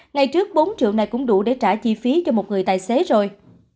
ngày trước bốn triệu này cũng đủ để trả chi phí cho một người tài xế rồi